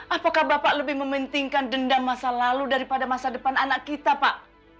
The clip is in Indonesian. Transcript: apakah bapak lebih mementingkan dendam masa lalu daripada masa depan anak kita pak